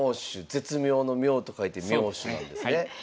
絶妙の妙と書いて妙手なんですね。